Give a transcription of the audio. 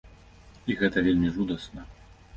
І гэта вельмі жудасна.